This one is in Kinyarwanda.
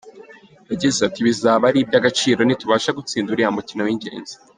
Yagize ati “Bizaba ari iby’agaciro nitubasha gutsinda uriya mukino w’ingenzi.